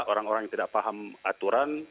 orang orang yang tidak paham aturan